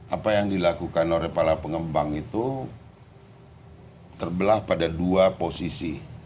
apa yang dilakukan oleh para pengembang itu terbelah pada dua posisi